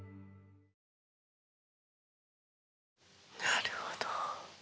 なるほど。